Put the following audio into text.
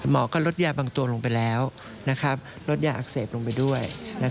ก็ลดยาบางตัวลงไปแล้วลดยาอักเสบลงไปด้วย